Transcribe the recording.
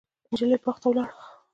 نجلۍ باغ ته ولاړه.